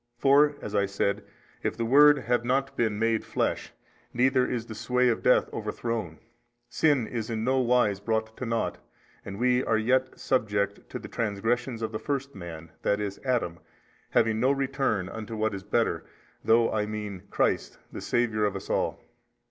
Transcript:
For (as I said) if the Word have not been MADE flesh, neither is the sway of death overthrown, sin is in no wise brought to nought, and we are yet subject to the transgressions of the first man, i. e. Adam, having no return unto what is better, through (I mean) Christ the Saviour of us all.